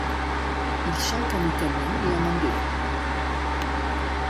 Il chante en italien et en anglais.